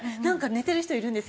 「寝てる人いるんですけど」。